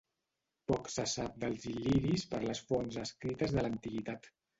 Poc se sap dels il·liris per les fonts escrites de l'antiguitat.